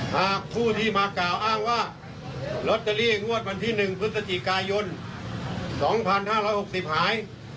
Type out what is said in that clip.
หากผู้ที่มากล่าวอ้างว่ารถตะลี่งวดบันที่หนึ่งพฤศจิกายนสองพันห้าร้อยหกสิบหาย